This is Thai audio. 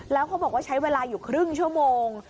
แล้วเขาบอกว่าใช้เวลาอยู่ครึ่งชั่วโมง